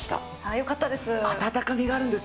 よかったです。